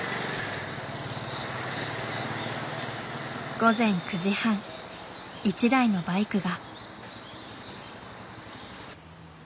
午前９時半一台のバイクが。